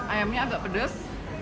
ayamnya agak pedas